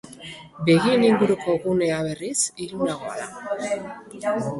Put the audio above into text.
Begien inguruko gunea, berriz, ilunagoa da.